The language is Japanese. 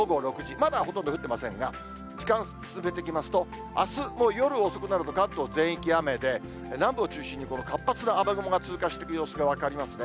まだほとんど降っていませんが、時間進めていきますと、あすの夜遅くなると関東全域雨で、南部を中心に、活発な雨雲が通過していく様子が分かりますね。